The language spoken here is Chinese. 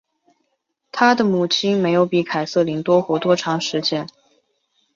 她的母亲没有比凯瑟琳多活多长时间。